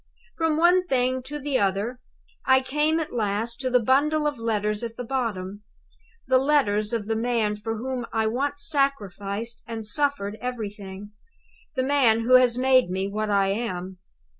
"From one thing to the other, I came at last to the bundle of letters at the bottom the letters of the man for whom I once sacrificed and suffered everything; the man who has made me what I am.